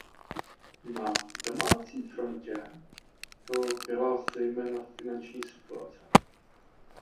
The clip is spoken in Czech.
Na domácí frontě to byla zejména finanční situace.